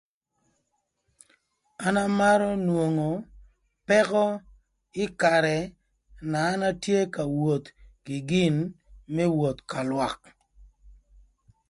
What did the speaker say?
An amarö nwongo pëkö kï ï karë na an atye ka woth kï gin më woth ka lwak.